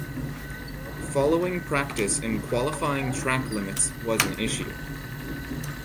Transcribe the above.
Following practice and qualifying track limits was an issue.